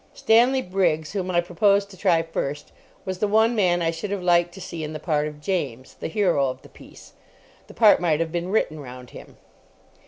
Stanley Briggs, whom I proposed to try first, was the one man I should have liked to see in the part of James, the hero of the piece. The part might have been written round him.